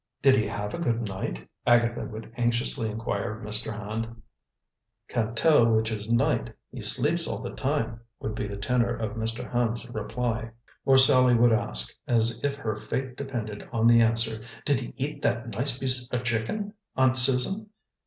"Did he have a good night?" Agatha would anxiously inquire of Mr. Hand. "Can't tell which is night; he sleeps all the time," would be the tenor of Mr. Hand's reply. Or Sallie would ask, as if her fate depended on the answer, "Did he eat that nice piece er chicken, Aunt Susan?"